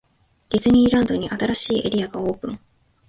ディズニーランドに、新しいエリアがオープン!!